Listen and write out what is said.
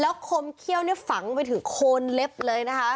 คมเขี้ยวเนี่ยฝังไปถึงโคนเล็บเลยนะคะ